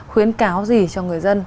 khuyến cáo gì cho người dân